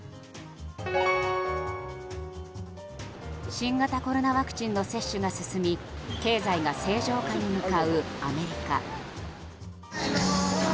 新型コロナウイルスの接種が進み経済が正常化に向かうアメリカ。